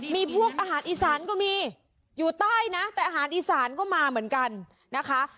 มีพวกอาหารอีสานก็มีอยู่ใต้นะแต่อาหารอีสานก็มาเหมือนกันนะคะ